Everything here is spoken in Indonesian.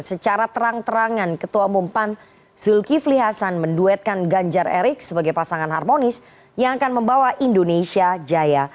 secara terang terangan ketua umum pan zulkifli hasan menduetkan ganjar erick sebagai pasangan harmonis yang akan membawa indonesia jaya